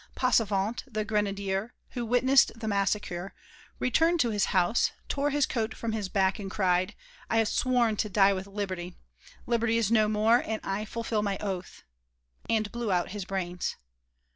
Passavant, the grenadier, who witnessed the massacre, returned to his house, tore his coat from his back and cried: 'I have sworn to die with Liberty; Liberty is no more, and I fulfil my oath,' and blew out his brains."